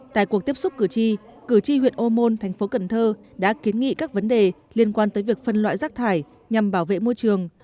tại cuộc tiếp xúc cử tri cử tri huyện ô môn thành phố cần thơ đã kiến nghị các vấn đề liên quan tới việc phân loại rác thải nhằm bảo vệ môi trường